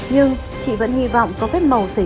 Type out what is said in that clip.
nhưng chị vẫn hy vọng có thể tìm được nạn nhân